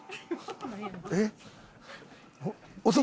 えっ？